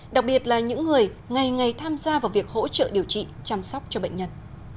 đặc biệt là những người ngày ngày ngày ngày tham gia vào việc hỗ trợ điều trị chăm sóc cho bệnh nhân